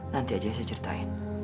nanti aja saya ceritain